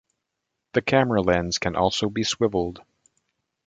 The camera lens can also be swiveled.